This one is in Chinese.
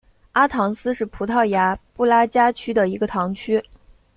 阿唐斯是葡萄牙布拉加区的一个堂区。